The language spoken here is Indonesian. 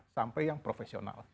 sampai yang profesional